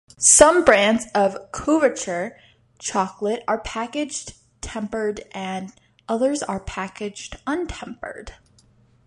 Some brands of couverture chocolate are packaged tempered, and others are packaged untempered.